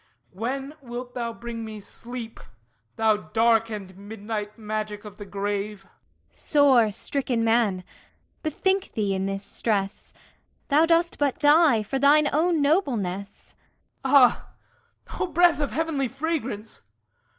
When wilt thou bring me sleep, Thou dark and midnight magic of the grave! ARTEMIS Sore stricken man, bethink thee in this stress, Thou dost but die for thine own nobleness. HIPPOLYTUS Ah! O breath of heavenly fragrance!